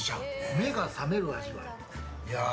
目が覚める味わい。